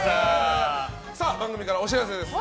番組からお知らせです。